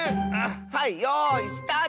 はいよいスタート！